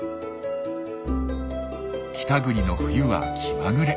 北国の冬は気まぐれ。